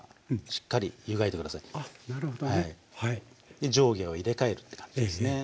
で上下を入れ替えるって感じですね。